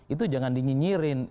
itu jangan dinyinyirin